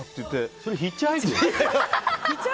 それ、ヒッチハイク？